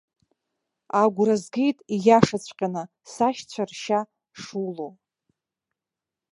Агәра згеит, ииашаҵәҟьаны сашьцәа ршьа шулоу.